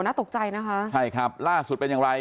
น่าตกใจนะคะใช่ครับล่าสุดเป็นอย่างไร